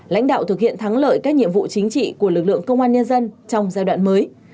lãnh đạo thực hiện thắng lợi các nhiệm vụ chính trị của lực lượng công an nhân dân trong giai đoạn mới